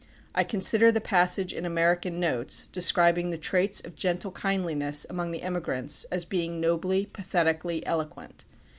I consider the passage in "American Notes" describing the traits of gentle kindliness among the emigrants as being nobly, pathetically eloquent.